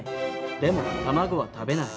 でも卵は食べない。